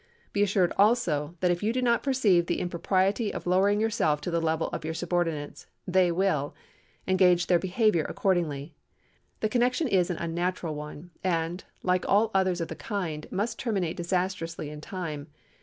Be assured, also, that if you do not perceive the impropriety of lowering yourself to the level of your subordinates, they will, and gauge their behaviour accordingly. The connection is an unnatural one, and, like all others of the kind, must terminate disastrously in time.